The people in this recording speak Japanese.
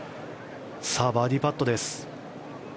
さあ、バーディーパットです。